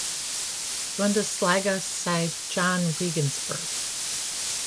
Bundesliga side Jahn Regensburg.